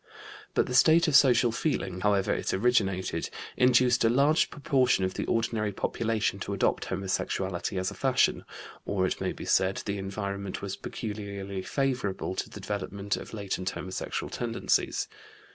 But the state of social feeling, however it originated, induced a large proportion of the ordinary population to adopt homosexuality as a fashion, or, it may be said, the environment was peculiarly favorable to the development of latent homosexual tendencies.